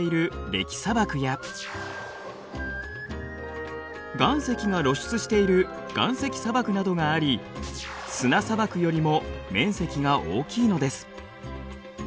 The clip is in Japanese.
砂漠や岩石が露出している岩石砂漠などがあり砂砂漠よりも面積が大きいのです。